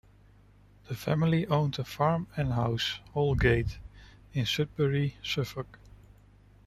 The family owned a farm and house, Holgate, in Sudbury, Suffolk.